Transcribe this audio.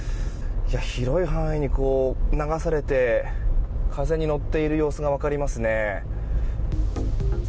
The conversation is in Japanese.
広い範囲に流されて風に乗っている様子が分かりますね。